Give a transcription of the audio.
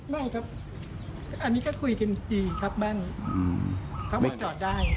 ไม่ครับอันนี้ก็คุยกันดีครับบ้านเขาไม่จอดได้